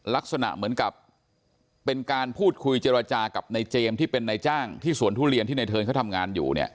ลักษณะเหมือนกับเป็นการพูดคุยเจรจากับในเจมส์ที่เป็นนายจ้างที่สวนทุเรียนที่ในเทิร์นเขาทำงานอยู่เนี่ย